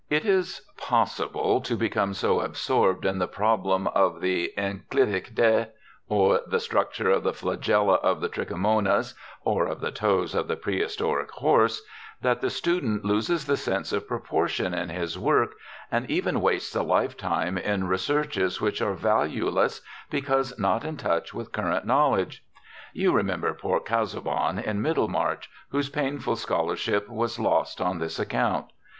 It is possible to become so absorbed in the problem of the "enclitic de," or the structure of the flagella of the Trichomonas, or of the toes of the prehistoric horse, that the student loses the sense of proportion in his work, and even wastes a lifetime in researches which are valueless because not in touch with current knowledge. You remember poor Casaubon, in "Middlemarch," whose painful scholarship was lost on this account.